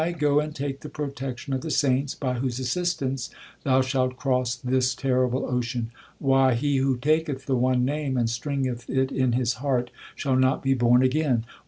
Go and take the protection of the saints, By whose assistance thou shalt cross this terrible ocean. Y. He who taketh the one Name and stringeth it in his heart, Shall not be born again.